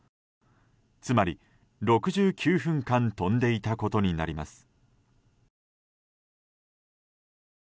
つまり６９分間飛んでいたことになります。